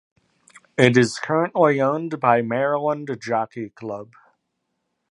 It is currently owned by Maryland Jockey Club.